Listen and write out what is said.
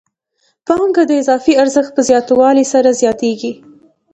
پانګه د اضافي ارزښت په زیاتوالي سره زیاتېږي